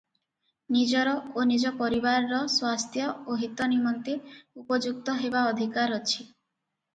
ନିଜର ଓ ନିଜ ପରିବାରର ସ୍ୱାସ୍ଥ୍ୟ ଓ ହିତ ନିମନ୍ତେ ଉପଯୁକ୍ତ ହେବା ଅଧିକାର ଅଛି ।